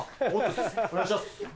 お願いします！